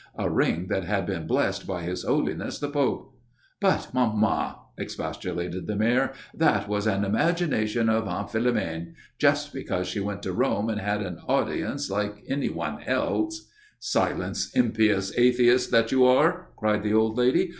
A ring that had been blessed by His Holiness the Pope " "But, maman," expostulated the Mayor, "that was an imagination of Aunt Philomène. Just because she went to Rome and had an audience like anyone else " "Silence, impious atheist that you are!" cried the old lady.